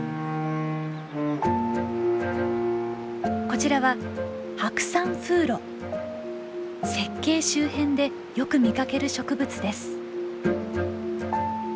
こちらは雪渓周辺でよく見かける植物です。